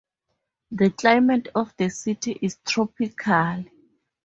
The climate of the city is tropical.